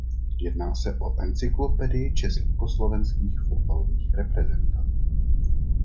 Jedná se o encyklopedii československých fotbalových reprezentantů.